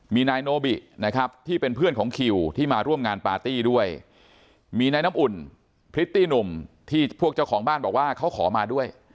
มีนายโนบินะครับที่เป็นเพื่อนของคิวที่มาร่วมงานปาร์ตี้ด้วยมีนายน้ำอุ่นพริตตี้หนุ่มที่พวกเจ้าของบ้านบอกว่าเขาขอมาด้วย